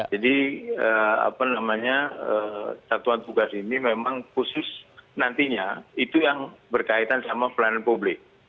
jadi apa namanya satuan tugas ini memang khusus nantinya itu yang berkaitan sama pelayanan publik